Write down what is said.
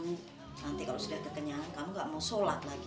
nanti kalo sudah kekenyangan kamu gak mau sholat lagi